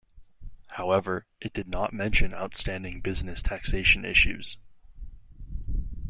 However, it did not mention outstanding business taxation issues.